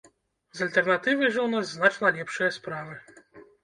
З альтэрнатывай жа ў нас значна лепшыя справы.